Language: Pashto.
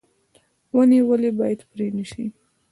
ونې ولې باید پرې نشي؟